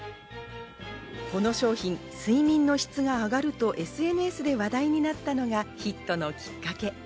この商品、睡眠の質が上がるとＳＮＳで話題になったのがヒットのきっかけ。